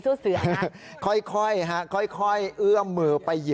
พระขู่คนที่เข้าไปคุยกับพระรูปนี้